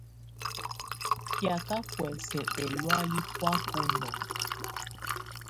Kɛ̀áka buɛsɛ ɛlɔ̀áyɛ bɔá bunɔŋɔ.